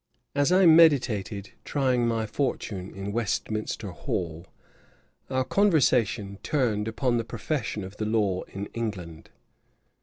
As I meditated trying my fortune in Westminster Hall, our conversation turned upon the profession of the law in England.